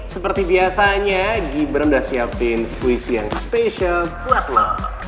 seperti biasanya gibran udah siapin puisi yang spesial buat lo